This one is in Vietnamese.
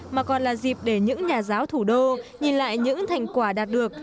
mà còn là dịp để những nhà giáo thủ đô nhìn lại những thành quả đạt được